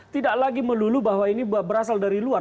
tidak lagi melulu bahwa ini berasal dari luar